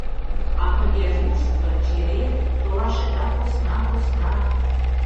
Ато дежурство, черет... — толашеда посна-посна...